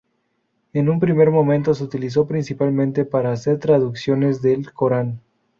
En un primer momento se utilizó principalmente para hacer traducciones del "Corán".